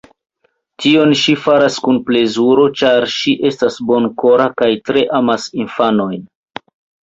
Tion ŝi faras kun plezuro, ĉar ŝi estas bonkora kaj tre amas infanojn.